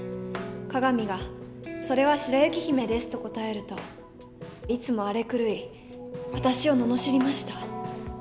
鏡が「それは白雪姫です」と答えるといつも荒れ狂い私を罵りました。